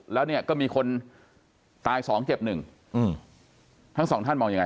แล้วเนี่ยก็มีคนตายสองเจ็บหนึ่งอืมทั้งสองท่านมองยังไง